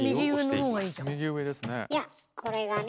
いやこれがね